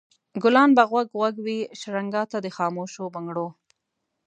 ګلان به غوږ غوږ وي شرنګا ته د خاموشو بنګړو